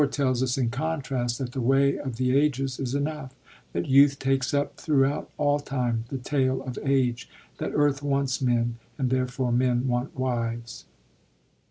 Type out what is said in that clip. tells us, in contrast, that the way of the ages is enough, that youth takes up through out all time the tale of age, that earth wants men, and therefore men want wives.